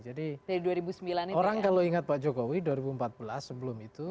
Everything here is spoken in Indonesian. jadi orang kalau ingat pak jokowi dua ribu empat belas sebelum itu